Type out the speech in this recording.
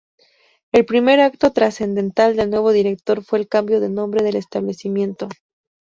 El primer acto trascendental del nuevo director fue el cambio de nombre del establecimiento.